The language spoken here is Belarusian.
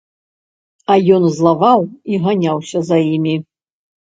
А ён злаваў і ганяўся за імі.